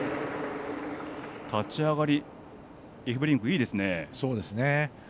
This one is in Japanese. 立ち上がり、エフベリンクいいですね。